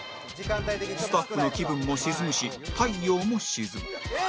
スタッフの気分も沈むし太陽も沈む